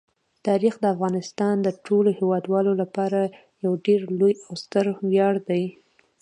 تاریخ د افغانستان د ټولو هیوادوالو لپاره یو ډېر لوی او ستر ویاړ دی.